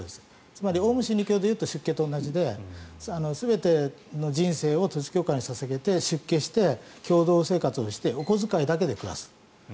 つまりオウム真理教でいうと出家と同じで全ての人生を統一教会に捧げて出家して共同生活をしてお小遣いだけで暮らす。